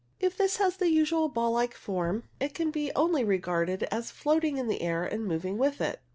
If this has the usual ball like form, it can only be regarded as floating in the air and moving with it.